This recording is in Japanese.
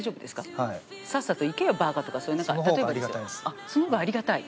あっその方がありがたい？